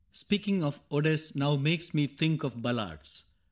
^^ Speaking of odes now makes me think of ballads.